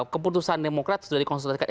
keputusan demokrat sudah dikonsultasikan